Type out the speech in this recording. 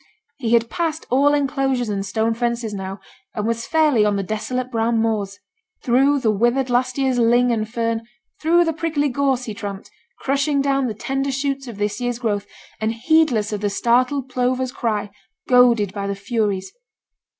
He had passed all enclosures and stone fences now, and was fairly on the desolate brown moors; through the withered last year's ling and fern, through the prickly gorse, he tramped, crushing down the tender shoots of this year's growth, and heedless of the startled plover's cry, goaded by the furies.